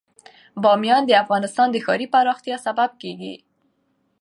بامیان د افغانستان د ښاري پراختیا سبب کېږي.